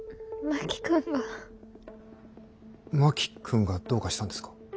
真木君がどうかしたんですか。